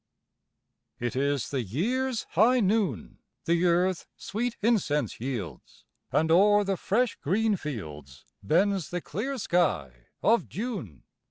It is the year's high noon, The earth sweet incense yields, And o'er the fresh, green fields Bends the clear sky of June.